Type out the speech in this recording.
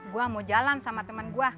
gue mau jalan sama temen gue